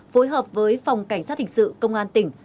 phối hợp với phòng cảnh sát hình sự công an tỉnh